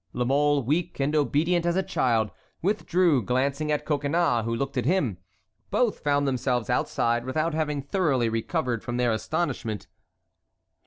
La Mole, weak and obedient as a child, withdrew, glancing at Coconnas, who looked at him. Both found themselves outside without having thoroughly recovered from their astonishment.